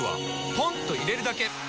ポンと入れるだけ！